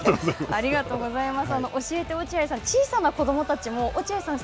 ありがとうございます。